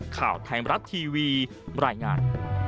ข่าวไทยมรัฐทีวีบรรยายงาน